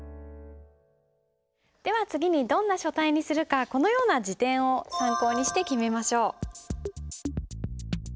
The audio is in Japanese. では次にどんな書体にするかこのような字典を参考にして決めましょう。